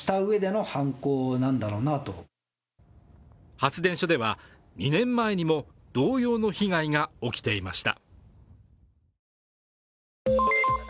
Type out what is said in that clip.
発電所では２年前にも同様の被害が起きていました。